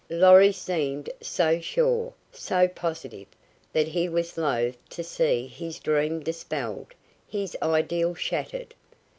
Lorry seemed so sure, so positive, that he was loath to see his dream dispelled, his ideal shattered.